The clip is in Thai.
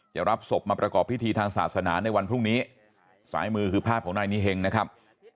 จะรับศพมาประกอบพิธีทางศาสนาในวันพรุ่งนี้สายมือคือภาพของนายนิเฮงนะครับ